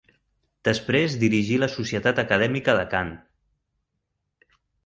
Després dirigí la Societat Acadèmica de Cant.